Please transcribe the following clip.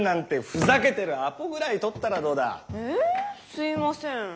すいません。